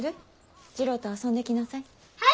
次郎と遊んできなさい。